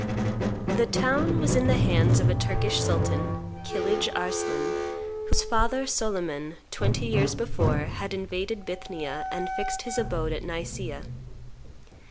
The town was in the hands of a Turkish sultan, Kilidge Arslan, whose father, Soliman, twenty years before, had invaded Bithynia and fixed his abode at Nicrea.